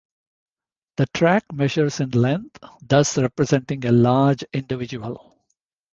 The track measures in length, thus representing a large individual.